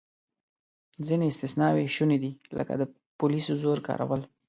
ځینې استثناوې شونې دي، لکه د پولیسو زور کارول.